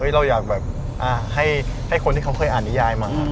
เราอยากแบบให้คนที่เขาเคยอ่านนิยายมา